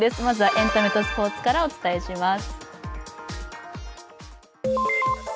エンタメとスポーツからお伝えします。